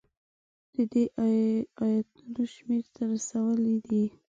د دې ایتونو شمېر ته رسولی دی.